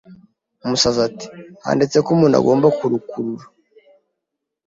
Umusazi ati handitseho ko umuntu agomba kurukurura